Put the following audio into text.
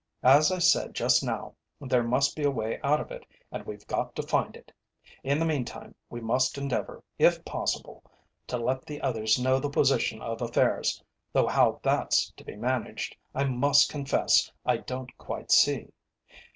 As I said just now, there must be a way out of it, and we've got to find it. In the meantime, we must endeavour, if possible, to let the others know the position of affairs, though how that's to be managed, I must confess I don't quite see.